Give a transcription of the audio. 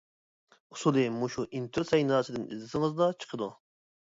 ئۇسۇلى مۇشۇ ئىنتىل سەيناسىدىن ئىزدىسىڭىزلا چىقىدۇ.